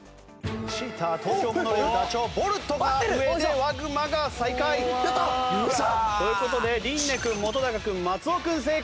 チーター東京モノレールダチョウボルトが上でワグマが最下位。という事で琳寧君本君松尾君正解！